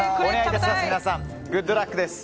皆さん、グッドラックです。